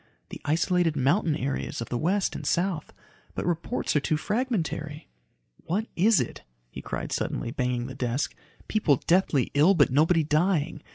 The isolated mountain areas of the West and South. But reports are too fragmentary." "What is it?" he cried suddenly, banging the desk. "People deathly ill, but nobody dying.